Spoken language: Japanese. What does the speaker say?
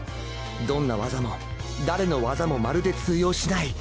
どんな技も誰の技もまるで通用しない。